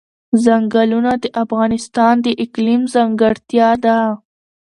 ځنګلونه د افغانستان د اقلیم ځانګړتیا ده.